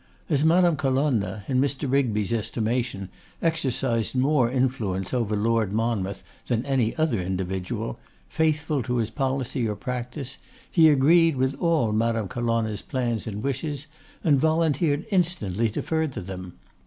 As Madame Colonna, in Mr. Rigby's estimation, exercised more influence over Lord Monmouth than any other individual, faithful to his policy or practice, he agreed with all Madame Colonna's plans and wishes, and volunteered instantly to further them.